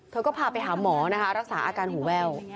เธอก็พาไปหาหมอนะคะรักษาอาการหูแว่ว